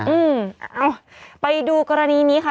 เอ้าไปดูกรณีนี้ค่ะ